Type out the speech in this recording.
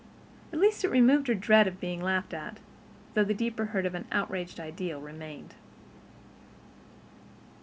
At least it removed her dread of being laughed at, though the deeper hurt of an outraged ideal remained.